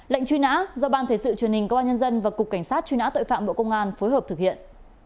lệnh truy nã do ban thể sự truyền hình công an nhân dân và cục cảnh sát truy nã tội phạm bộ công an phối hợp thực hiện